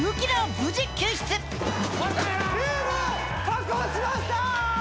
確保しました！